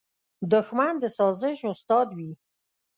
دښمن د سازش استاد وي